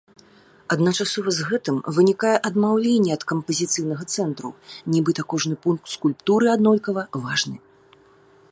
Адначасова з гэтым вынікае адмаўленне ад кампазіцыйнага цэнтру, нібыта кожны пункт скульптуры аднолькава важны.